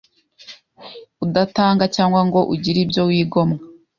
udatanga cyangwa ngo ugire ibyo wigomwa.